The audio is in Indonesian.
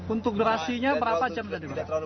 untuk durasinya berapa jam tadi